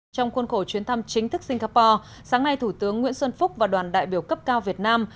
trong khuôn khổ chuyến thăm chính thức singapore sáng nay thủ tướng nguyễn xuân phúc và đoàn đại biểu cấp cao việt nam